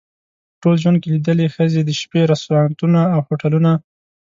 په ټول ژوند کې لیدلې ښځې د شپې رستورانتونه او هوټلونه.